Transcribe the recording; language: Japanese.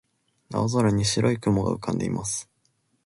青空に白い雲が浮かんでいます。